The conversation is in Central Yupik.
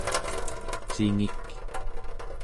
cingik